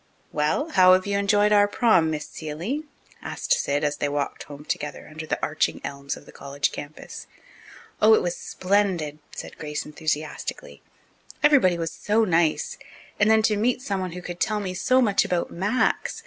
"Well, how have you enjoyed our prom, Miss Seeley?" asked Sid, as they walked home together under the arching elms of the college campus. "Oh! it was splendid," said Grace enthusiastically. "Everybody was so nice. And then to meet someone who could tell me so much about Max!